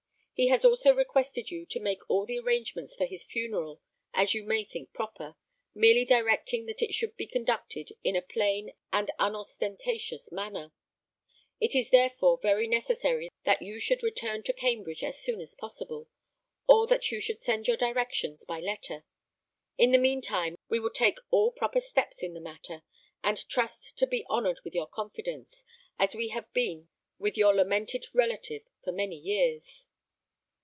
He has also requested you to make all the arrangements for his funeral as you may think proper, merely directing that it should be conducted in a plain and unostentatious manner. It is therefore very necessary that you should return to Cambridge as soon as possible, or that you should send your directions by letter. In the mean time we will take all proper steps in the matter, and trust to be honoured with your confidence, as we have been with that of your lamented relative for many years."